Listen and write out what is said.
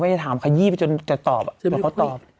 ไม่ได้ถามขยี้ไปจนจะตอบอะไรเขาตอบ